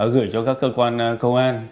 gửi cho các cơ quan công an